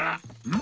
ん？